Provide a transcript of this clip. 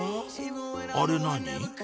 あれ何？